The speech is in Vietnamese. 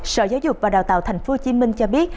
sở giáo dục và đào tạo tp hcm cho biết